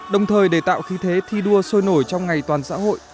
đồng thời để tạo khí thế thi đua sôi nổi trong ngày toàn xã hội